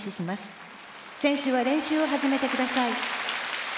「選手は練習を始めてください」